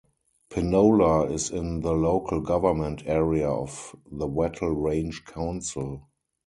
Penola is in the local government area of the Wattle Range Council.